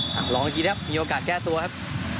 ลองอีกทีครับมีโอกาสแก้ตัวครับ